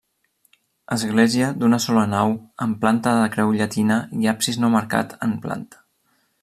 Església d'una sola nau amb planta de creu llatina i absis no marcat en planta.